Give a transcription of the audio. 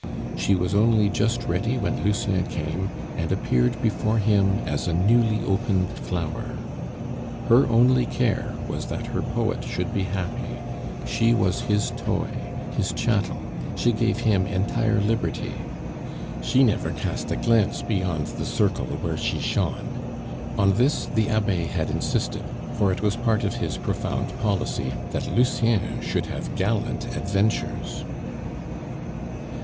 She was only just ready when Lucien came, and appeared before him as a newly opened flower. Her only care was that her poet should be happy; she was his toy, his chattel; she gave him entire liberty. She never cast a glance beyond the circle where she shone. On this the Abbe had insisted, for it was part of his profound policy that Lucien should have gallant adventures.